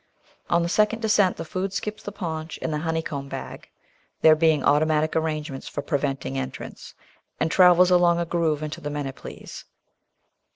On the second descent the food skips the paunch and the honeycomb bag, there being automatic arrangements for preventing entrance, and travels along a groove into the manyplies.